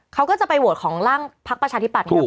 เขาก็จะไปโหวตของร่างพักประชาธิปัตย์